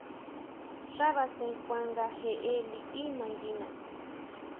Xá basen kuan nga jeʼe liʼí nanguina.